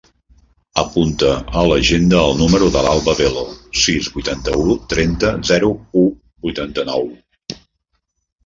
Apunta a l'agenda el número de l'Alba Velo: sis, vuitanta-u, trenta, zero, u, vuitanta-nou.